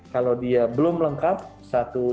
kalau dia belum lengkap satu